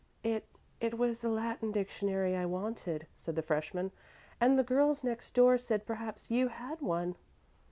"It it was a Latin dictionary I wanted," said the freshman, "and the girls next door said perhaps you had one."